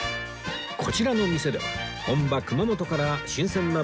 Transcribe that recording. こちらの店では本場熊本から新鮮な馬肉を直送